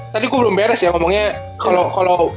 tadi gue belum beres ya ngomongnya